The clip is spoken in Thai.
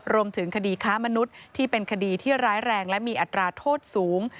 รวมถึงคดีค้ามนุษย์ที่เป็นคดีที่ร้ายแรงและมีอัตราโทษสูง